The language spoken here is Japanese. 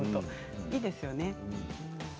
いいですよね。